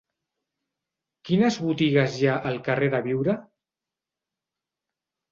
Quines botigues hi ha al carrer de Biure?